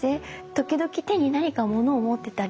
時々手に何か物を持ってたりして。